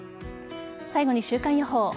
最後に週間予報。